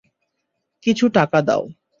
কিছু টাকা দাও।